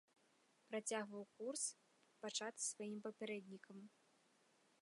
Працягваў курс, пачаты сваім папярэднікам.